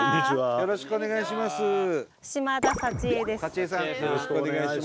よろしくお願いします。